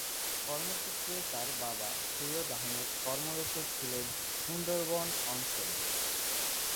কর্মসূত্রে তার বাবা সৈয়দ আহমেদ কর্মরত ছিলেন সুন্দরবন অঞ্চলে।